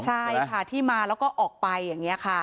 ใช่ค่ะที่มาแล้วก็ออกไปอย่างนี้ค่ะ